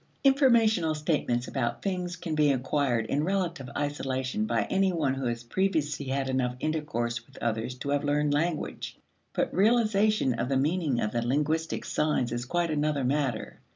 Informational statements about things can be acquired in relative isolation by any one who previously has had enough intercourse with others to have learned language. But realization of the meaning of the linguistic signs is quite another matter.